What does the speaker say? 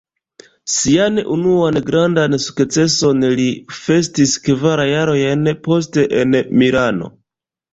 Sian unuan grandan sukceson li festis kvar jarojn poste en Milano.